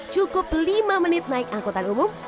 cukup lima menit naik angkutan umum